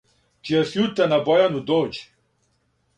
Чија сјутра на Бојану дође